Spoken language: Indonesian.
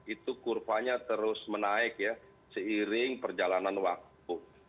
itu kurvanya terus menaik ya seiring perjalanan waktu